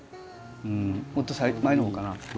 もっと前のほうかな。